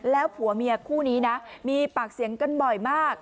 แล้วผัวเมียคู่นี้นะมีปากเสียงกันบ่อยมาก